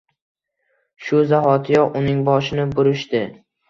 Shu zahotiyoq uning boshini burishdi.